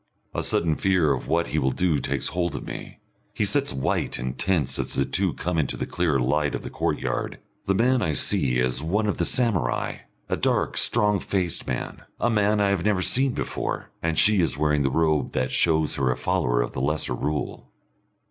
A sudden fear of what he will do takes hold of me. He sits white and tense as the two come into the clearer light of the courtyard. The man, I see, is one of the samurai, a dark, strong faced man, a man I have never seen before, and she is wearing the robe that shows her a follower of the Lesser Rule.